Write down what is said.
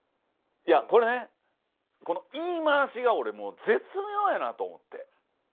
いやこれねこの言い回しが俺もう絶妙やなと思って。